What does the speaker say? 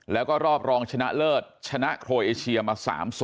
แล้วก็รอบรองชนะเลิศชนะโครเอเชียมา๓๐